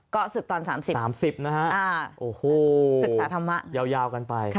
ก็ศึกษาธรรม๓๐ศึกษาธรรมะยาวกันไป